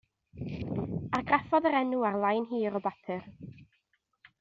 Argraffodd yr enw ar lain hir o bapur.